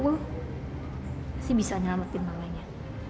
mesti bisa nyelamatin mamanya